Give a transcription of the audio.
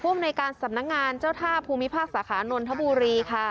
อำนวยการสำนักงานเจ้าท่าภูมิภาคสาขานนทบุรีค่ะ